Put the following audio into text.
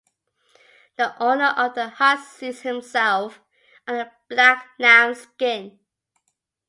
The owner of the hut seats himself on the black lambskin.